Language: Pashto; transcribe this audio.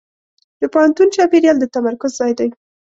د پوهنتون چاپېریال د تمرکز ځای دی.